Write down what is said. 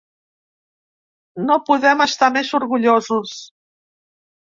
No podem estar més orgullosos.